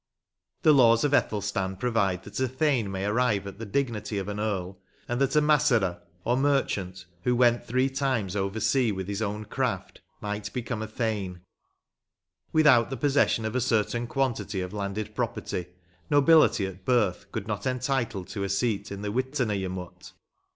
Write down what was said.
The laws of Ethelstan provide that a thane may arrive at the dignity of an eorl, and that a massere or merchant, who went three times over sea with his own u^raft, might become a thane. Without the possession of a certain quantity of landed property, nobility of birth could not entitle to a seat in the Witena gemot.